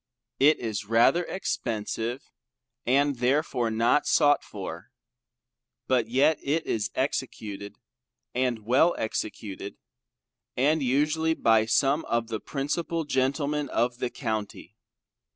It is rather expensive and therefore not sought for. But yet, it is executed and well executed, and usually by some of the principal Gentlemen of the County.